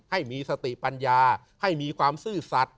ให้มีสติปัญญาให้มีความซื่อสัตว